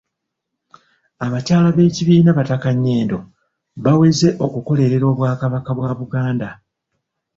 Abakyala b'Ekibiina Bataka Nyendo baaweze okukolerera Obwakabaka bwa Buganda.